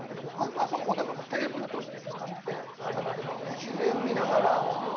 あそこをテーブルとして使って自然を見ながら。